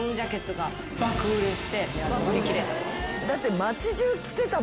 だって。